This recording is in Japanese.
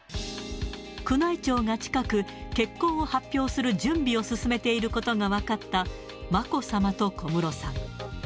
宮内庁が近く、結婚を発表する準備を進めていることが分かったまこさまと小室さん。